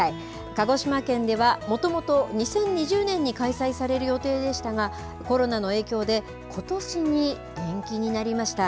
鹿児島県では、もともと２０２０年に開催される予定でしたが、コロナの影響で、ことしに延期になりました。